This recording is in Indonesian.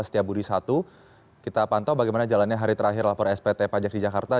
setiap budi satu kita pantau bagaimana jalannya hari terakhir pelaporan spt pajak di jakarta